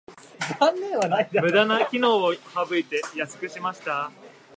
ムダな機能を省いて安くしました